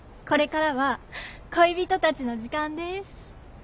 これからは恋人たちの時間です。